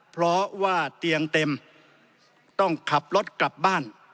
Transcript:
เพราะว่าเตียงเต็มต้องขับรถกลับบ้าน